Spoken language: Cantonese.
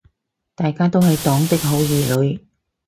大家都是黨的好兒女